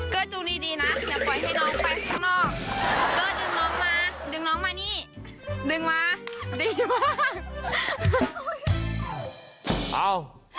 เกอร์ดึงน้องมาดึงน้องมานี่ดึงมาดีมาก